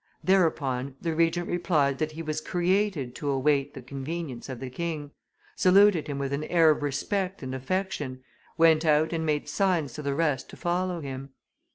Thereupon the Regent replied, that he was created to await the convenience of the king, saluted him with an air of respect and affection, went out and made signs to the rest to follow him.